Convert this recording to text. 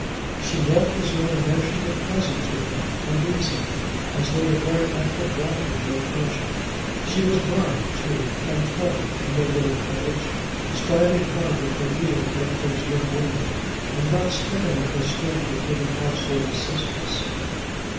She walked as though the motion were pleasant to her, and easy, as though the very act of walking were a pleasure. She was bright too, and clever in their little cottage, striving hard with her needle to make things look well, and not sparing her strength in giving household assistance.